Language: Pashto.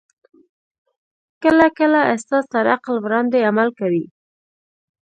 کله کله احساس تر عقل وړاندې عمل کوي.